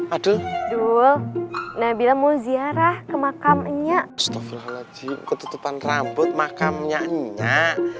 adul adul nabila mau ziarah ke makamnya stafrolaji ketutupan rambut makamnya enyak